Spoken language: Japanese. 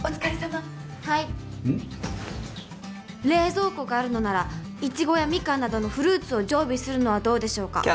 冷蔵庫があるのならいちごやみかんなどのフルーツを常備するのはどうでしょうか？